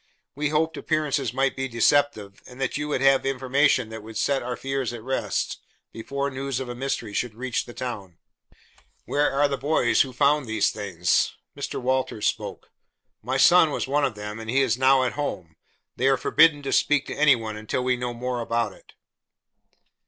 We hoped appearances might be deceptive, and that you would have information that would set our fears at rest before news of a mystery should reach the town." "Where are the boys who found these things?" Mr. Walters spoke, "My son was one of them, and he is now at home. They are forbidden to speak to any one until we know more about it."